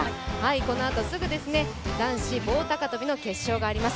このあとすぐ、男子棒高跳の決勝があります。